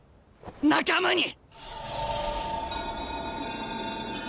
仲間に！